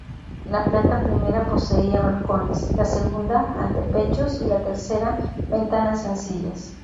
La planta primera poseía balcones, la segunda, antepechos y la tercera, ventanas sencillas.